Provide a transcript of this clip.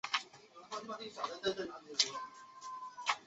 旋果蚊子草为蔷薇科蚊子草属的植物。